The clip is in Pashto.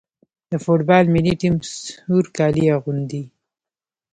د فوټبال ملي ټیم سور کالي اغوندي.